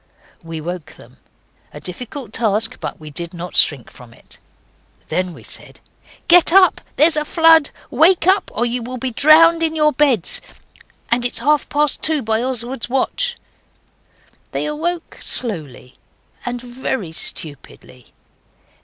We woke them a difficult task, but we did not shrink from it. Then we said, 'Get up, there is a flood! Wake up, or you will be drowned in your beds! And it's half past two by Oswald's watch.' They awoke slowly and very stupidly.